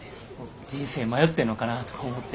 人生迷ってんのかなと思って。